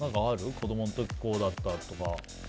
子供の時こうだったとか。